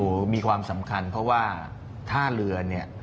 โอ้โหมีความสำคัญเพราะว่าท่าเรือเนี่ย